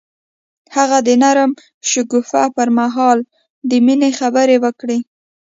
هغه د نرم شګوفه پر مهال د مینې خبرې وکړې.